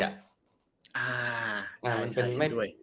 อ่าใช่ด้วย